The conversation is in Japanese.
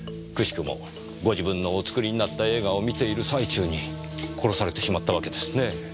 奇しくもご自分のお作りになった映画を観ている最中に殺されてしまったわけですねぇ。